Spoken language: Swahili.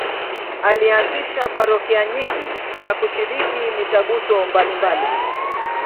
Alianzisha parokia nyingi na kushiriki mitaguso mbalimbali.